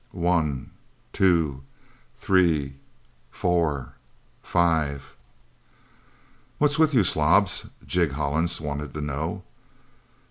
"One two three four five " "What's with you slobs?" Jig Hollins wanted to know.